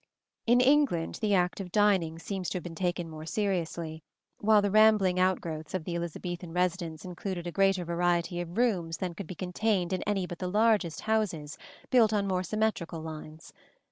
In England the act of dining seems to have been taken more seriously, while the rambling outgrowths of the Elizabethan residence included a greater variety of rooms than could be contained in any but the largest houses built on more symmetrical lines.